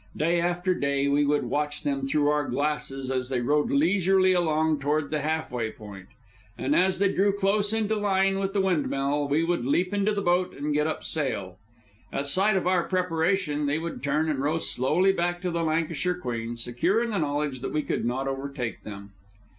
Day after day we would watch them through our glasses as they rowed leisurely along toward the half way point; and as they drew close into line with the windmill, we would leap into the boat and get up sail. At sight of our preparation, they would turn and row slowly back to the Lancashire Queen, secure in the knowledge that we could not overtake them.